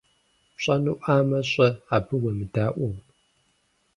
Пщӏэнуӏамэ, щӏэ, абы уемыдаӏуэу.